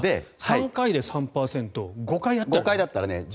３回で３％５回だったら。